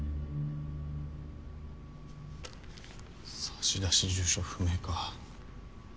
差し出し住所不明か。